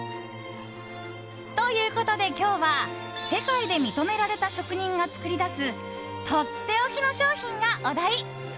ということで今日は世界で認められた職人が作り出すとっておきの商品がお題。